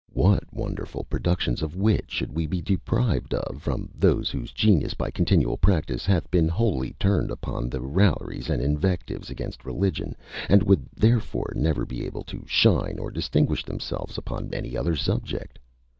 What wonderful productions of wit should we be deprived of from those whose genius, by continual practice, hath been wholly turned upon raillery and invectives against religion, and would therefore never be able to shine or distinguish themselves upon any other subject?